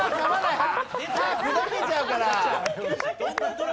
歯砕けちゃうから！